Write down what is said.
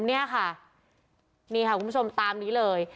นี่ค่ะคุณผู้ชมตามนี้เลย